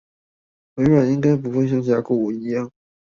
微軟應該不會像甲骨文一樣